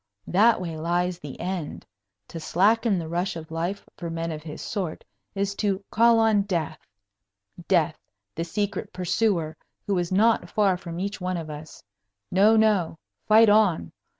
That way lies the end. To slacken the rush of life, for men of his sort, is to call on death death, the secret pursuer, who is not far from each one of us. No, no! Fight on!